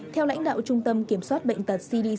theo lãnh đạo trung tâm kiểm soát bệnh tật cdc